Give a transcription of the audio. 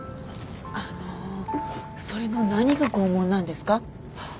あのそれの何が拷問なんですか？